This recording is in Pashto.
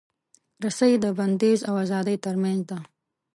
رسۍ د بندیز او ازادۍ ترمنځ ده.